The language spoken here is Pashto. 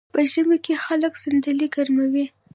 په ژمي کې خلک صندلۍ ګرموي.